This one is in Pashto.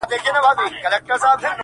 چې ګواکې له زړه په تمه دی